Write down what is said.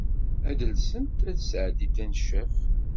Ad alsent ad d-sɛeddint aneccaf.